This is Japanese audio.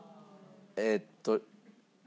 えっと。